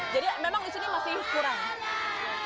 jadi memang di sini masih kurang